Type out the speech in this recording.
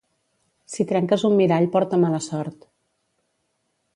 Si trenques un mirall porta mala sort.